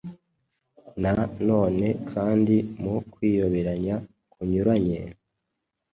Na none kandi mu kwiyoberanya kunyuranye,